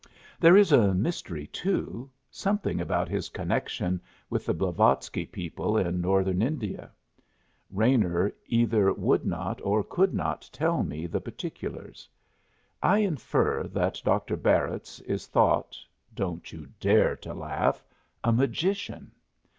There is a mystery, too something about his connection with the Blavatsky people in Northern India. Raynor either would not or could not tell me the particulars. I infer that Dr. Barritz is thought don't you dare to laugh! a magician.